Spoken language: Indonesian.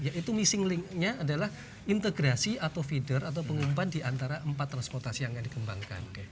yaitu missing link nya adalah integrasi atau feeder atau pengumpan diantara empat transportasi yang dikembangkan